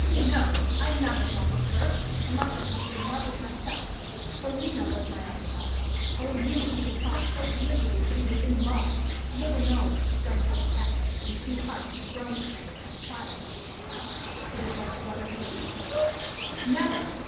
No! I am not in love with her, unless I could be in love with myself. For Lina was my other self. Oh, you who can talk so glibly of being 'in love,' little know that strength of attachment when two hearts have grown together from childhood." "It is like a brother's and a sister's." "Never!